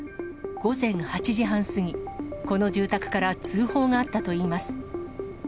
午前８時半過ぎ、この住宅から通報があったといいます。